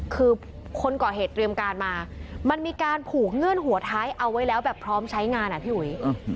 คือคนก่อเหตุเตรียมการมามันมีการผูกเงื่อนหัวท้ายเอาไว้แล้วแบบพร้อมใช้งานอ่ะพี่อุ๋ย